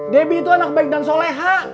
debbie itu anak baik dan soleha